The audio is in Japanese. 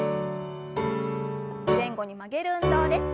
前後に曲げる運動です。